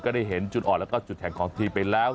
ได้เห็นจุดอ่อนแล้วก็จุดแข่งของทีมไปแล้ว